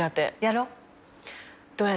やろう。